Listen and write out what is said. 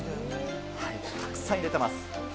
たくさん入れてます。